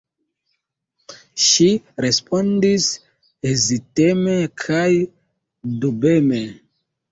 Ŝi respondis heziteme kaj dubeme: